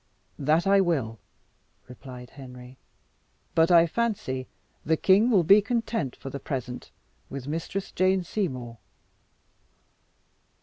"That will I," replied Henry; "but I fancy the king will be content for the present with Mistress Jane Seymour."